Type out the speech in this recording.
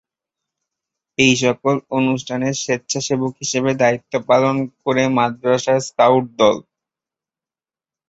এইসকল অনুষ্ঠানের স্বেচ্ছাসেবক হিসাবে দায়িত্ব পালন করে মাদ্রাসা স্কাউট দল।